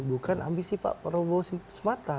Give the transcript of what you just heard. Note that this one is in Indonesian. bukan ambisi pak prabowo semata